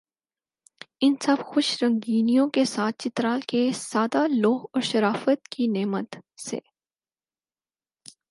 ان سب خوش رنگینیوں کے ساتھ چترال کے سادہ لوح اور شرافت کی نعمت سے